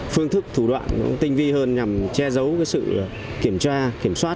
phương thức thủ đoạn tinh vi hơn nhằm che giấu sự kiểm tra